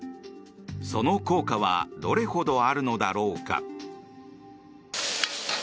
その効果はどれほどあるのだろうか。